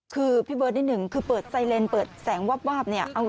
คือพี่เบิร์ดนิดนึงคือเปิดไซเลนเปิดแสงวาบเนี่ย